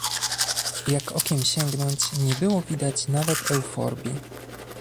Jak okiem sięgnąć, nie było widać nawet euforbii.